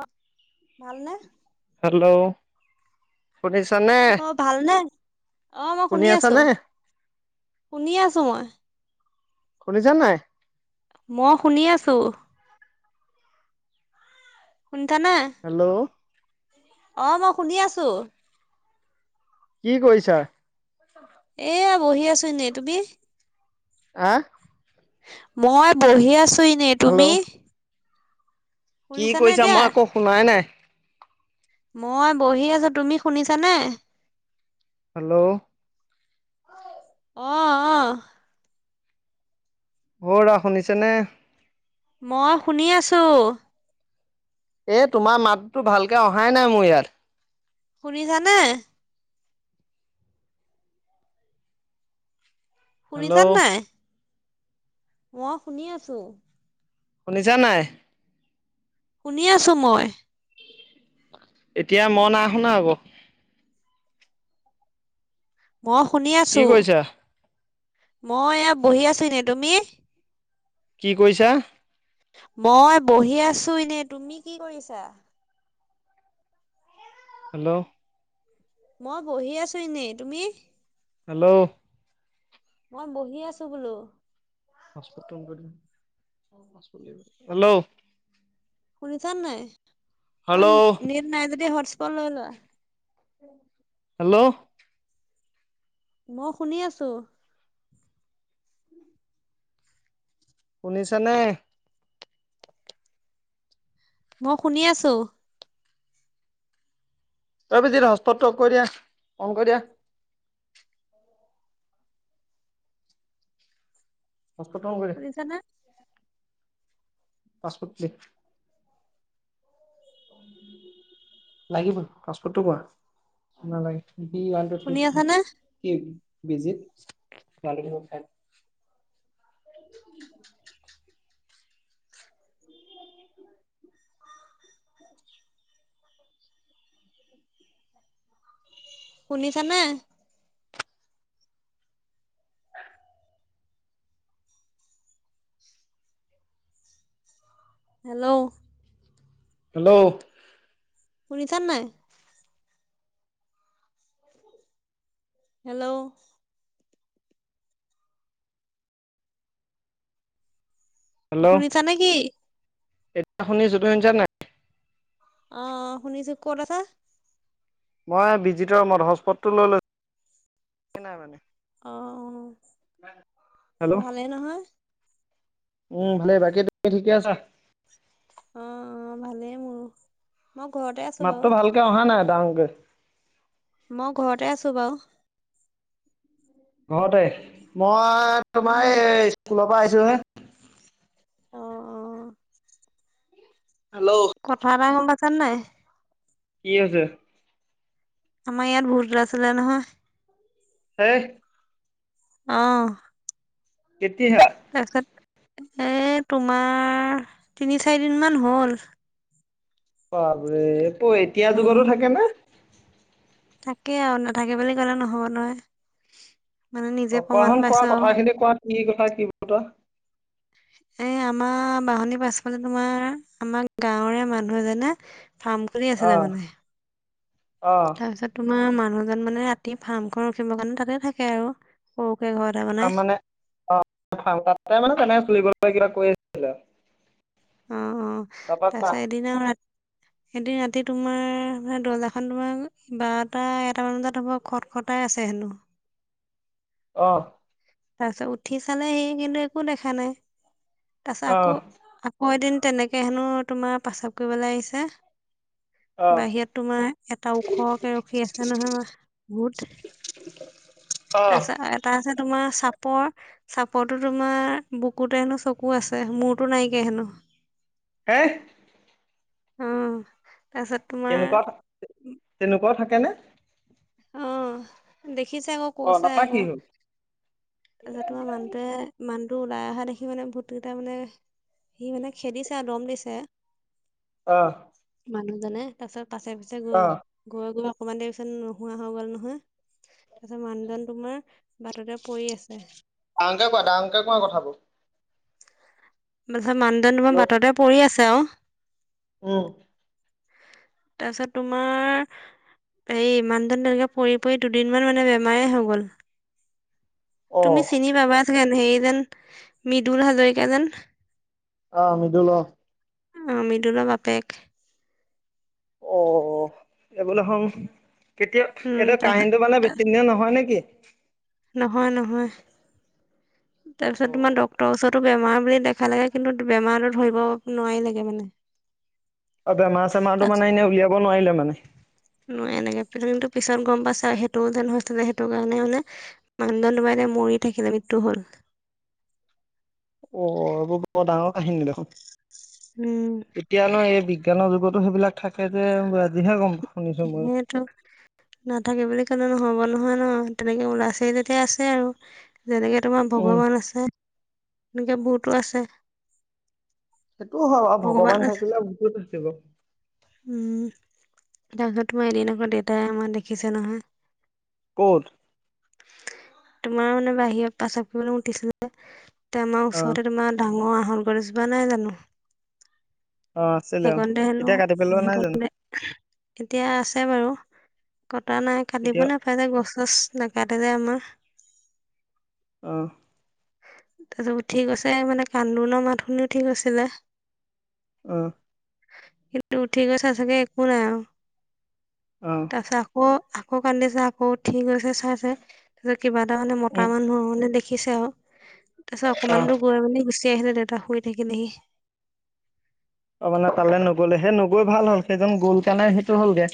অ, ভাল নে। হেল্লৌ' শুনিছা নে। অঁ ভালনে, অঁ মই শুনি আছো আছানে শুনি আছো মই। শুনিছা নে নাই? মই শুনি আছোঁ। শুনিছানে। হেল্লৌ' অঁ, মই শুনি আছো। কি কৰিছা? এয়া বহি আছো এনেই, তুমি? আঁহ। মই বহি আছো এনেই, হেল্ল' তুমি? কি শুনিছানে কৈছা এতিয়া মই একো শুনাই নাই। মই বহি আছো তুমি শুনিছানে হেল্ল' অ অ অ ৰা শুনিছে নে মই শুনি আছোঁ এই তোমাৰ মাতটো ভালকে অহাই নাই মোৰ ইয়াত শুনিছানে হেল্ল' শুনিছান নাই অ শুনি আছো শুনিছা নাই শুনি আছোঁ মই এতিয়া ম নাইশুনা ক ম শুনি কি আছো কৰিছা মই ইয়া বহি আছো এনে তুমি কি কৈছা মই বহি আছো এনেই তুমি কি কৰিছা হেল্ল' মই বহি আছো এনেই তুমি হেল্ল' মই বহি আছো বোলো হেল্ল'ও শুনিছান নাই অ হেল্ল' নেট নাই যদি হটৰ্স্প লয় ল হেল্ল' ম শুনি আছো শুনিছা নে মউ শুনি আছো অই বিজিৰ হস্পতটো অফ কৰি দিয়া অন কৰি দিয়া হস্পতটো অন কৰি দে শুনিছানে পাছপট লিখ লাগিব হস্পতটো কোৱা নালাগে বি ৱান টো থ্ৰী শুনি আছানে কি বিজিত ব [unintelligible] শুনিছানে হেল্ল' হেল্ল'ও শুনিছা নে নাই হেল্ল' হেল্ল' শুনিছা নেকি এতিয়া শুনিছো তুমি শুনিছা নে নাই অ শুনিছো ক'ত আছা মই বিজিতৰ ৰুমত হস্পতটো লৈ লৈ এ নাই মানে অ হেল্ল' ভালেই নহয় উম ভালেই বাকী তুমি ঠিকে আছা অ অ ভালেই মোৰ মই ঘৰতে আছো বাউ কেয়া অহা নাই দাঙকে মই ঘৰতে আছো বাৰু। ঘৰতে মই তোমাৰ উম এই স্কুলৰ পৰা আহিছো হে। অ অ। হেল্ল' কথা এটা গম পাচা নে নাই? কি হৈছে? আমাৰ ইয়াত ভূত ওলাইছিলে নহয়। হেই অ কেতিয়া? তাৰপিছত এ তোমাৰ তিনি চাৰিদিন মান হ'ল। বাপৰে [unintelligible] এতিয়া যুগতো থাকে নে? থাকে আৰু নাথাকে বুলি ক'লে নহ'ব নহয়। মানে নিজে অ কোৱা প্ৰমাণ শুন কোৱা পাইছো আৰু। কথাখিনি কোৱা কি কথা কি বতৰা। এ আমাৰ বাঁহনি পাছফাল তোমাৰ আমাৰ গাঁৱৰে মানুহ এজনে থাম অহ অহ তাছত তোমাৰ মানুহজন মানে ৰাতি ফাৰ্মখন ৰখিবৰ কাৰণে তাতে থাকে আৰু। সৰু কে ঘৰ বনাই ফাৰ্ম মানে অ [unintelligible] তাতে মানে তেনেক চলিব কোনোবা কিবা কৈ আছিলে অ অ তাৰপা কোৱা তাৰপিছত এদিনা আৰু ৰা [unintelligible] এদিন ৰাতি তোমাৰ দৰ্জাখন তোমাৰ বাৰটা এটামান বজাত হ'ব খট খটাই আছে হেনো। অহ। তাৰ পিছত উঠি চালে সি কিন্তু একো দেখা নাই, তাৰপিছত অ আকৌ মই এদিন তেনেকে হেনো তোমাৰ পেচাব কৰিবলে আহিছে। অ বাহিৰত তোমাৰ এটা ওখকে ৰখী আছে নহয় ভূত। [inaudible] তাৰপিছত এটা আছে তোমাৰ চাপৰ। চাপৰতো তোমাৰ বুকুতে হেনো চকু আছে, মূৰতো নাইকিয়া হেনো। হেই। হুম, তাৰপিছত তোমাৰ তেনেকুৱা ক তেনেকুৱাও থাকেনে? অহ, দেখিছে আকৌ অ কৈছে তাপা আকৌ। কি হ'ল তাৰপিছত তোমাৰ মানুটোৱে মানহটো ওলাই অহা দেখি মানে ভোতকেইটা মানে সি মানে খেদিছে আৰু দম দিছে। অ মানুহজনে তাৰপিছত পাছে পিছে অ গল গৈ গৈ অকমান দেৰি পিছত নোহোৱা হৈ গ'ল নহয়। তাৰপাছত মানুহজন তোমাৰ বাটতে পৰি আছ ডাঙৰকে কোৱা দাংকে কোৱা কথাবোৰ। তাৰপিছত মানুহজন তোমাৰ হেল্ল' বাটতেই পৰি আছে আৰু। উম। তাৰপিছত তোমাৰ এই ইমান দিন তেনেকে পৰি পৰি দুদিনমান মানে বেমাৰেই হৈ গ'ল। অ তুমি চিনি পাবা যেন, হেৰি যেন মৃদুল হাজৰিকা যেন। অ', মৃদুল অহ। মৃদুলৰ বাপেক। অ', এইবোলে কেতিয়া উম এইটো তাৰপিছত কাহিনীটো মানে বেছি দিনিয়া নহয় নেকি? নহয় নহয়। তাৰপিছত অ তোমাৰ ডকটৰৰ ওচৰতো বেমাৰ বুলি দেখালেগে, কিন্তু বেমাৰ ধৰিব নোৱাৰিলে মানে। অ', বেমাৰ-চেমাৰটো মানে এনে উলিয়াব নোৱাৰিলে মানে। ন এনেকে, প্ৰবলেমটো পিছত গ'ম পাইছে সেইটো যেন হৈছিল যে সেইটো কাৰণে মানে মানুহজন তোমাৰ এতিয়া মৰি থাকিলে, মৃত্যু হ'ল। অ', এইবোৰ বৰ ডাঙৰ কাহিনী দেখোন, উম এতিয়া নো এই বি বিজ্ঞানৰ যুগতো সেইবিলাক থাকে যে আজিহে গ'ম শুনিছো ময়ো সেইতো। নাথাকে বুলি ক'লে নহ'ব নহয় ন' তেনেকে, ওলাইছে যেতিয়া আছে আৰু। যেনেকে তোমাৰ উম ভগৱান আছে, তেনেকে ভুটো আছে। সেইটোও হয় বাৰু, ভগৱান থাকিলে ভূটো থাকিব। উম, তাৰপিছত তোমাৰ এদিন আকৌ দেউতাই আমাৰ দেখিছে নহয়। ক'ত? তোমাৰ মানে বাহিৰত প্ৰসাৱ কৰিবলে উঠিছিলে। তে আমাৰ অ ওচৰতে তোমাৰ, ডাঙৰ আহত গছ এজোপা নাই জানো? অ আছিলে অ সেইকণতে এতিয়া হেনো, কাটি পেলোৱা নাই জানো সেইকনতে এতিয়া আছে বাৰু, কটা নাই, কাটিব এতিয়া নে মানে গছ-চছ নাকাটে যে আমাৰ। অহ। তাৰপিছত উঠি গৈছে মানে কান্দোনৰ মাত শুনি উঠি গৈছিলে। উম। কিন্তু উঠি গৈ চাইচেগে, একো নাই আৰু। অহ। তাৰ পিছত আকৌ, আকৌ কান্দিছে, আকৌ উঠি গৈ চাইছে। তাৰপিছত কিবা এটা মানে, উম মতা মানুহ মানে দেখিছে আৰু। তাৰপিছত অ অকমান দূৰ গৈ মানে গুচি আহিলে, দেউতা শুই থাকিলেহি। অ', মানে তালৈ নগলে, সেই নগৈ ভাল হ'ল, সেইজন গ'ল কাৰণে সেইটো হ'লগে।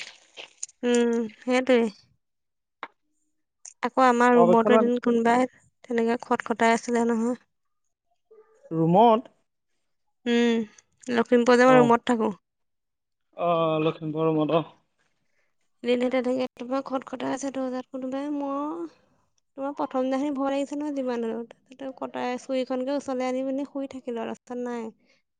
উম, সেইটোৱেই। আকৌ আমাৰ ৰুমতো পৰৱেক্ষণত এদিন কোনোবাই তেনেকে খট খটাই আছিলে নহয়। ৰুমত? উম, লখিমপুৰৰ যে অ মই ৰুমত থাকোঁ। অ', লখিমপুৰৰ ৰুমত অ'। [unintelligible] খট খটাই আছে দৰ্জাত কোনোবাই মই। তোমাৰ প্ৰথম দিনাখিনি ভয় লাগিছে নয় যিমান হ'লেও। [unintelligible] কটাই চুৰিখনকে ওচলাই আনি পিনি শুই থাকিলো আৰু লাস্তত নাই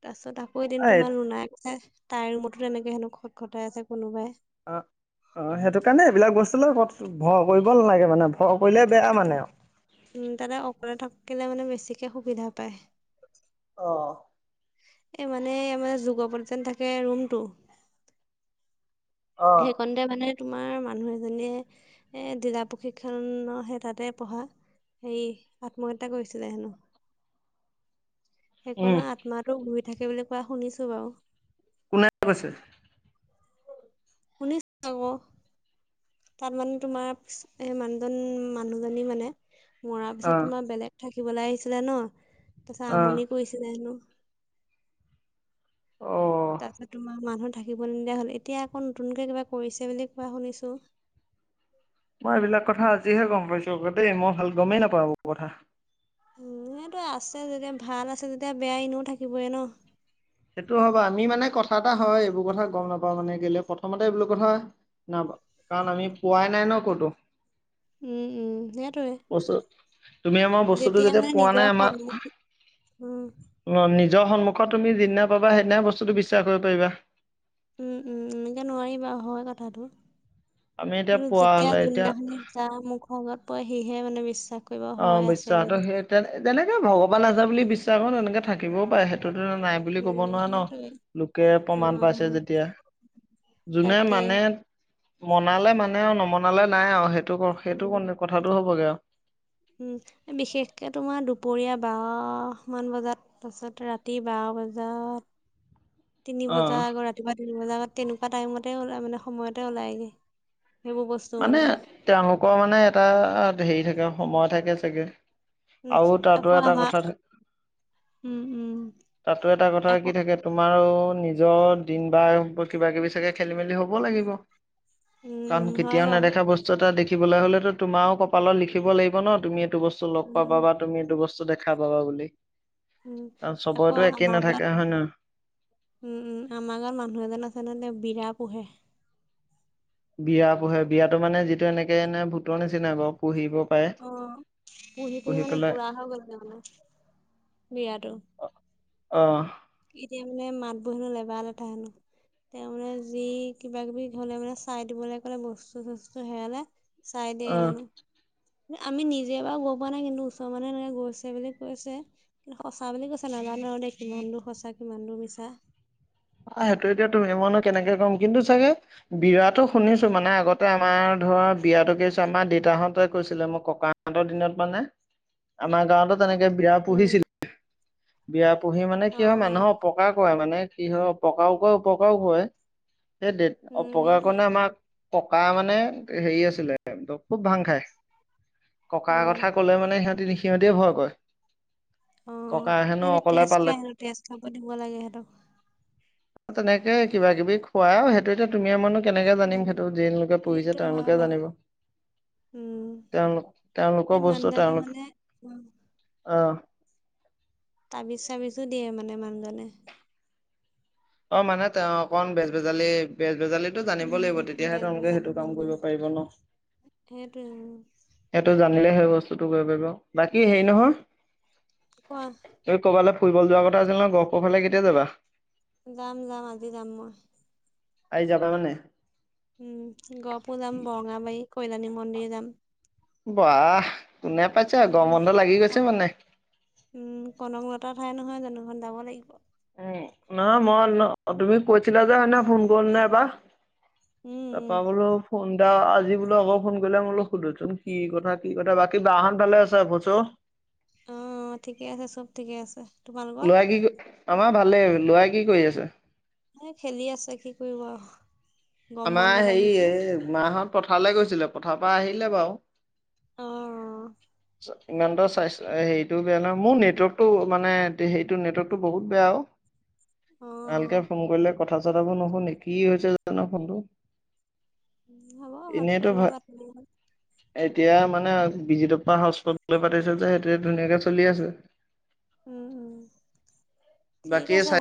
তাৰপিচত আ কৌ এদিন এই তোমাৰ লোনাই কৈছে তাইৰ ৰুমতো তেনেকে হেনো খট খটাই আছে কোনোবাই। অ', অ', সেইটো কাৰণে, এইবিলাক বস্তুক লৈ ক ভয় কৰিব নালাগে মানে। ভয় কৰিলে বেয়া তাতে মানে আৰু। উম, তাতে অকলে থাকিলে মানে বেছিকে সুবিধা পায়। অ'। এই মানে মানে যুগাপত যেন থাকে ৰুমটো। অ সেই কন তাতে মানে তোমাৰ মানুহ এজনীয়ে, এ জিলা প্ৰশিক্ষণ হে তাতে পঢ়া হেয়ী, আত্মহত্যা কৰিছিলে হেনু। [inaudible] সেইকনৰ আত্মাটো ঘূই থাকে বুলি কোৱা শুনিছো বাউ। কোনে কৈছে? শুনিছ আক। তাত মানে তোমাৰ এ মানুজন মানুহজনী মানে- মৰা পিছত অ তোমাৰ বেলেগ থাকিবলে আহিছিলে ন, তাছত অ আমনি কৰিছিলে হেনো। অ তাছত তোমাৰ মানুহ থাকিব নিদিয়া হল, এতিয়া আকৌ নতুনকে কিবা কৰিছে বুলি কোৱা শুনিছোঁ। মই এইবিলাক কথা আজিহে গম পাইছো আকৌ দেই, মই ভাল গমেই নাপাওঁ এবোৰ কথা। উ' সেইটোৱে আছে যেতিয়া ভাল আছে যেতিয়া বেয়া এনুও থাকিবই ন! সেইটো হয়'বা আমি মানে কথা এটা হয় এইবোৰ কথা গম নাপাও মানে কেলে প্ৰথমতে এইবোলু কথা কাৰণ আমি পোৱাই নাই ন ক'তো! উম উম, সেটোয়ে। তুমি আমাৰ বস্তুটো যেতিয়া পোৱা নিজৰ নাই আমা সন্মুখ উম ন, নিজৰ সন্মুখত তুমি যিদিনা পাবা সেইদিনাহে বস্তুটো বিশ্বাস কয়িব পায়িবা। উম' উম' এনেকে নোৱাৰি বাউ, হয় কথাটো। আমি এতিয়া কিন্তু পোৱা যেতিয়া হলে এতিয়া যোনদিনাখনি যা মুখ অগত পয়ে সিহে মানে বিশ্বাস কৰিব অ হয় আছে বিশ্বাহটো বুলি। সেই তে তেনেকে ভগৱান আছে বুলি বিশ্বাসু তেনেকে থাকিবও পায়ে, সেইটোতো নাই বুলি ক'ব উম নোৱায়ে ন? সেইটোৱে লোকে অ প্ৰমাণ পাইছে অ যেতিয়া! যোনে তাকে মানে মনালে মানে আৰু নমনালে নাই আৰু সেইটো সেইটো উম কথাটো হ'বগে আউ। উম, বিশেষকে তোমাৰ দুপৰীয়া বা'হ মান বজাত তাছত ৰাতি বাৱ বজাত তিনি অ বজা আকৌ ৰাতিপুৱা তিনি বজাৰ আগত তেনেকুৱা টাইমতে ওলাই মানে সময়তে ওলায়গে। সেইবো বছ মানে তেওঁলোকৰ মানে এটা হেৰি থাকে সময় থাকে চাগে! উম, আৰু তাতো আকৌ এটা আমাৰ কথা, উম, উম, তাতো এটা কথা আকৌ কি থাকে- তোমাৰো নিজৰ দিন-বাৰবোৰ কিবা-কিবি চাগে খেলি-মেলি হ'ব লাগিব, উম, কাৰণ উম, হয় কেতিয়াও বাৰু নেদেখা বস্তু এটা দেখিবলে হলেতু তোমাৰও কপালত লিখিব লাগিব ন তুমি এইটো বছ টো লগ পাবা উম, বা তুমি এইটো বস্তু দেখা পাবা বুলি। উম, কাৰণ আকৌ চবৰেতো একে আমাৰ গাঁৱত নাথাকে হয় নহ? উম উম, আমাৰ গাঁৱত মানুহ এজন আছে নহ, তেওঁ বিৰা পোহে। বিয়া পোহে, বিয়াতো মানে যিটো এনেকে এনে ভূতৰ নিচিনাই বাৰু? পুহিব পায়ে। অ, পুহি পুহি মানে বুঢ়া হৈ গলগে মানে, বিৰাতো। অ'। এতিয়া মানে মাতবো হেনু লেবা-লেথা হেনু। তেওঁ মানে যি কিবা-কিবি হ'লে মানে চাই দিবলৈ ক'লে বস্তু-চস্তু হেৰালে চাই দিয়ে অ হেনো। আমি নিজে বাৰু গৈ পোৱা নাই কিন্তু ওচৰ মানুহে এনেকে গৈছে বুলি কৈছে। সঁচা বুলি কৈছে নাজানো আৰু দেই, কিমান দূৰ সঁচা কিমান দূৰ মিছা। অ' সেইটোয়ে, এতিয়া তুমি-ম‌য়নো কেনেকে ক'ম, কিন্তু চাগে- বিৰাতো শুনিছো মানে আগতে আমাৰ ধৰা বিয়াতো কিছ আমাৰ দেউতাহতে কৈছিলে মোক ককা- হঁতৰ দিনত মানে আমাৰ গাঁৱতো তেনেকে বিৰা উম, পুহিছিল। বিৰা পুহি মানে কি হয় অ', অ'। মানুহক অপকাৰ কৰে মানে। কি হয় অপকাৰক উপকাৰও হয়, সেই উম অপকাৰ সেইটোৱে কাৰণে আমক ককা মানে হেৰি আছিলে খুব ভাং খাই। ককাৰ উম কথা ক'লে মানে সিহঁতি সিহঁতিয় ভয় কৰে। ককা অ' হেনো সেইটো অকলে তেজ পালে খাই আৰু তেজ খাব দিব লাগে সিহঁতক। তেনেকে কিবা কিবি খুৱাইও। [unintelligible] তুমি মানুহ কেনেকে জানিম সেইটো উম জিনলোকে সেইটো পুহিছে হয় তেওঁলোকে বাৰু জানিব। উম, তেওঁলোক তেওঁলোকৰ সেই মানদানে মানে। অ'। তাবিজ চাবিজো দিয়ে মানে মানুহজনে। অ' মানে তা অ' কন বেজবেজালী বেজবেজালী [unintelligible] জানিব উম লাগিব উম তেতিয়াহে বেজবৰুৱা তেওঁলোকে সেইটো তাবিজ কাম কৰিব বনাই। পাৰিব ন'। সেইটোৱে উম। এইটো জানিলে সেই বস্তুটো কৰিব পাৰিব বাকী হেৰি কোৱা নহয়। [unintelligible] ক'ৰবালৈ ফুৰিব যোৱাৰ কথা আছিল ন' ক ক'ৰবালে কেতিয়া যাবা। যাম যাম আজি যাম মই। আজি যাবা মানে। উম, গহপুৰ যাম বৰঙাবাৰী কৈলাণী মন্দিৰ যাম। বা কোনে পাইছে আৰু উম গমৰ বন্ধ লাগি কন গৈছে মানে। উম, কনকলতা ঠাই নহয় জানো যাব লাগিব। উম, নহ মই তুমি কৈছিলা যে হনে ফোন কৰিম নে এবাৰ। উম তাৰপৰা উম বোলো ফোন [unintelligible] আজি বোললে আকৌ ফোন কৰিলে মোৰ বোলো সোধোচোন কি কথা কি কথা বাকী বা হঁত ভালে আছে [unintelligible] অ' ঠিকে আছে চব ঠিকে আছে। তোমালোকৰ ল'ৰা কি আমাৰ ভালেই ল'ৰাই কি কৰি আছে? এ খেলি আছে কি কৰিব আৰু। গম আমাৰ বন্ধত হেৰি আহিছে এই মাঁ হত পথাৰলৈ গৈছিলে পথাৰৰ পৰা আহিলে বাৰু। অ ইমানটা চাই হেৰিটোও বেয়া নহয় মোৰ নেটৱৰ্কটো মানে হেৰিটো নেটৱৰ্কটো বহুত বেয়া আৰু। অ ভালকে ফোন কৰিলে কথা ছটা বোৰ নুশুনি কি হৈছে জানো ফোনটো। হ'ব হটস্পট এনেইটো লৈ ভা পাতিম এতিয়া মানে বিজিতৰ পৰা হস্পতো লৈ যে সেইটো ধুনীয়াকে চলি আছো। উম উম ঠিক বাকী আছে চাই